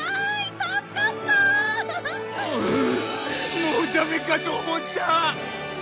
ああもうダメかと思った！